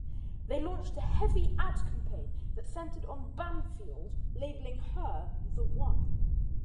They launched a heavy ad campaign that centered on Banfield, labeling her, The One.